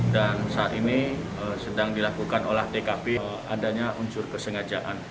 dan saat ini sedang dilakukan oleh dkp adanya unsur kesengajaan